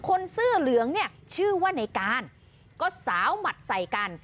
เสื้อเหลืองเนี่ยชื่อว่าในการก็สาวหมัดใส่กัน